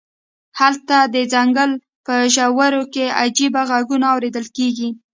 هلته د ځنګل په ژورو کې عجیب غږونه اوریدل کیږي